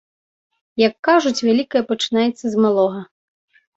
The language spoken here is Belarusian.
Як кажуць, вялікае пачынаецца з малога.